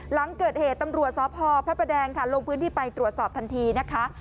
หลังเกิดเหตุตำรวจสพพระประแดงค่ะลงพื้นที่ไปตรวจสอบทันทีนะคะ